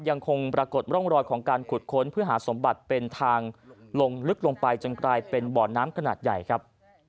ยังคงปรากฏร่องรอยของการขุดค้นเพื่อหาสมบัติเป็นทางลงลึกลงไปจนกลายเป็นบ่อน้ำขนาดใหญ่ครับ